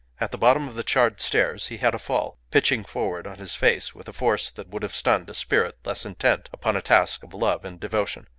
At the bottom of the charred stairs he had a fall, pitching forward on his face with a force that would have stunned a spirit less intent upon a task of love and devotion.